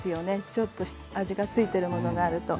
ちょっと味が付いているものがあると。